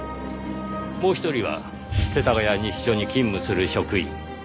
もう一人は世田谷西署に勤務する職員。